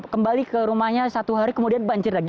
kembali ke rumahnya satu hari kemudian banjir lagi